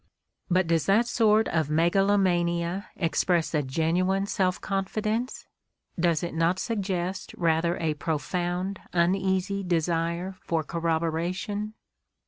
But does that sort of megalomania express a genuine self confi dence? Does it not suggest rather a profound, uneasy desire for corroboration